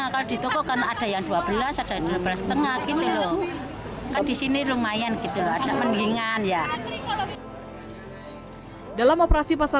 kalau di sini berapa bu